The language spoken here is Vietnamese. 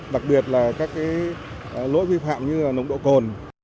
đặc biệt là các cái lỗi vi phạm như là nồng độ cồn